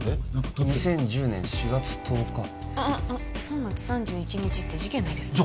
２０１０年４月１０日あっああっ３月３１日って事件の日ですね